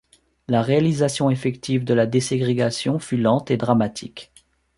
La réalisation effective de la déségrégation fut lente et dramatique.